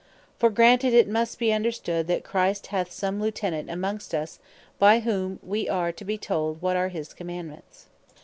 For that granted, it must be understood, that Christ hath some Lieutenant amongst us, by whom we are to be told what are his Commandements.